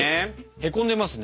へこんでますね。